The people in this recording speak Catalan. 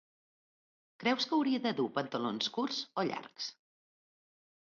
Creus que hauria de dur pantalons curts o llargs?